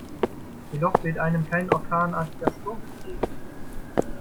Jedoch weht einem kein orkanartiger Sturm entgegen.